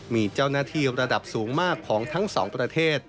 มีเจ้าหน้าที่ระดับสูงมากของทั้งสองประเทศ